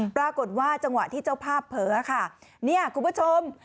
ปรากฏว่าจังหวะที่เจ้าภาพเผลอค่ะเนี่ยคุณผู้ชม